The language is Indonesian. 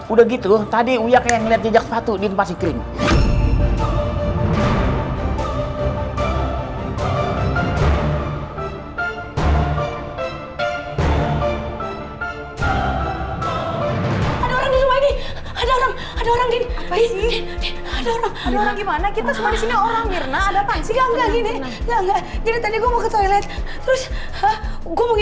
udah gitu tadi uya kayak ngeliat jejak sepatu di tempat si kring